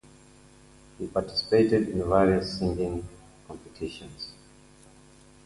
He participated in various singing competitions.